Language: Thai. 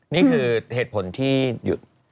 นี่คือเหตุผลที่หยุด